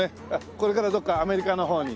これからどこかアメリカの方に？